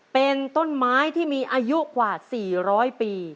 เป็นต้นไม้ที่มีอายุกว่า๔๐๐ปี